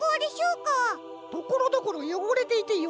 ところどころよごれていてよめんな。